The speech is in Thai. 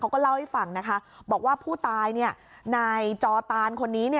เขาก็เล่าให้ฟังนะคะบอกว่าผู้ตายนายจอตานคนนี้